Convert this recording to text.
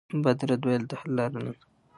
بد رد ویل د حل لاره نه ده.